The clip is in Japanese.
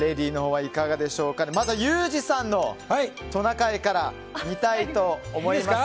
まずはユージさんのトナカイから見たいと思います。